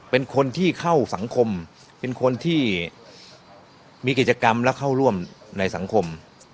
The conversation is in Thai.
เป็นคนที่เข้าสังคมเป็นคนที่มีกิจกรรมและเข้าร่วมในสังคม